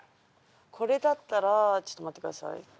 これだったらちょっと待ってください。